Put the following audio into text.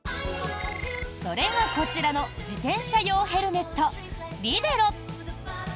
それが、こちらの自転車用ヘルメットＬＩＢＥＲＯ。